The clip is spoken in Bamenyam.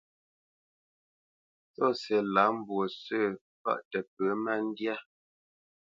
Tsɔ́si lâ mbwǒ sǝ̂ paʼ tǝ pǝ má ndyá.